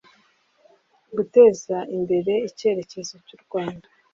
guteza imbere icyerekezo cy u rwanda